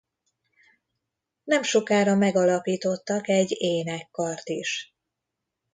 Nemsokára megalapítottak egy énekkart is.